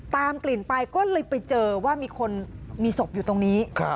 กลิ่นไปก็เลยไปเจอว่ามีคนมีศพอยู่ตรงนี้